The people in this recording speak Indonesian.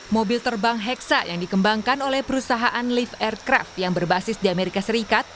mobil terbang heksa yang dikembangkan oleh perusahaan lift aircraft yang berbasis di amerika serikat